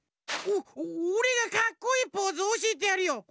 おおれがかっこいいポーズおしえてやるよ。